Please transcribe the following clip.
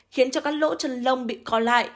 khiến cho các lỗ chân lông bị co lại